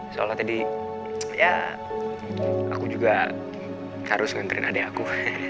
soalnya tadi ya aku juga harus nganterin adik aku